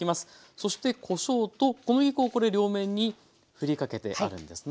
そしてこしょうと小麦粉をこれ両面にふりかけてあるんですね。